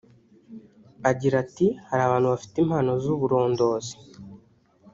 Agira ati ”Hari abantu bafite impano z’uburondozi